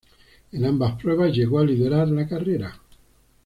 En ambas pruebas llegó a liderar la carrera.